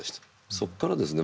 そっからですね